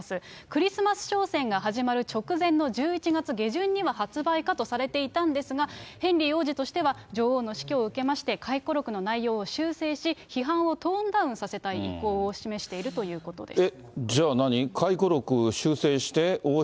クリスマス商戦が始まる直前の１１月下旬には発売かとされていたんですが、ヘンリー王子としては女王の死去を受けまして、回顧録の内容を修正し、批判をトーンダウンする意向を示しているということです。